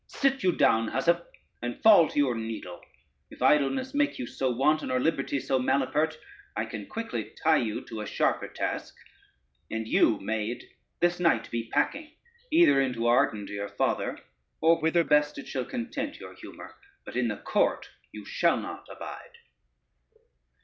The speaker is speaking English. Sit you down, housewife, and fall to your needle: if idleness make you so wanton, or liberty so malapert, I can quickly tie you to a sharper task. And you, maid, this night be packing, either into Arden to your father, or whither best it shall content your humor, but in the court you shall not abide." [Footnote 1: spring.] [Footnote 2: decide.